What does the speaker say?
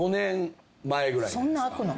そんな空くの？